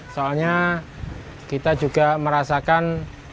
soalnya kita juga merasakan